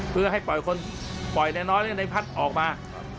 เพื่อให้ปล่อยค่นน้อยหรือการตำแหน่งฟัดออกมา